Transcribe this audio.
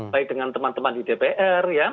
baik dengan teman teman di dpr